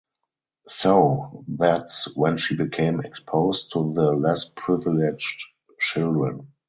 So that’s when she became exposed to the less privileged children.